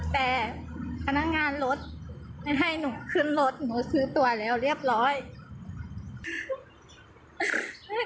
แต่พนักงานรถไม่ให้หนูขึ้นรถหนูซื้อตัวแล้วเรียบร้อย